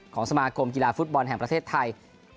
สมาคมกีฬาฟุตบอลแห่งประเทศไทย